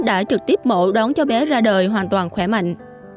đã trực tiếp mẫu đón cháu bé ra đời hoàn toàn khỏe mạnh